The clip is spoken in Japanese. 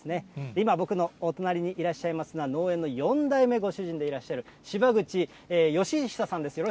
今、僕のお隣にいらっしゃいますのは、農園の４代目ご主人でいらっしゃる芝口禎久さんです。